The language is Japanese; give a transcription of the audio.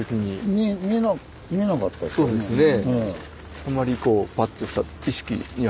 そうですね。